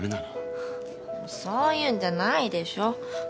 もうそういうんじゃないでしょ。